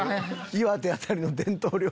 岩手辺りの伝統料理